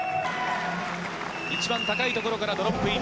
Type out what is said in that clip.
一番高いところからドロップイン。